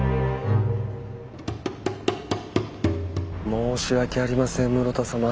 申し訳ありません室田様。